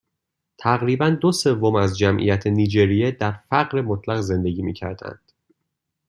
تقریباً دو سوم از جمعیت نیجریه در فقر مطلق زندگی میکردند